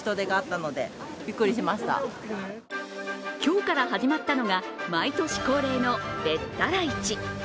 今日から始まったのが毎年恒例のべったら市。